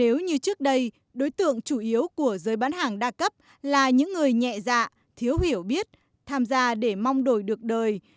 nếu như trước đây đối tượng chủ yếu của giới bán hàng đa cấp là những người nhẹ dạ thiếu hiểu biết tham gia để mong đổi được đời